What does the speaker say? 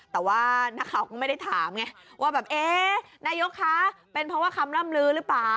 แต่ว่านักข่าวก็ไม่ได้ถามไงว่าแบบเอ๊ะนายกคะเป็นเพราะว่าคำล่ำลือหรือเปล่า